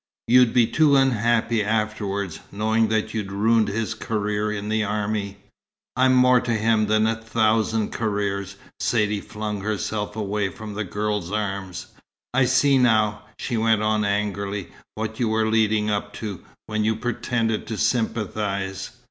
You'd be too unhappy afterwards, knowing that you'd ruined his career in the army." "I'm more to him than a thousand careers!" Saidee flung herself away from the girl's arm. "I see now," she went on angrily, "what you were leading up to, when you pretended to sympathize.